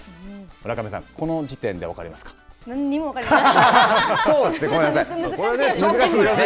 村上さん、この時点で分かります何にも分かりません。